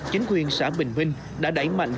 chính quyền xã bình minh đã đẩy mạnh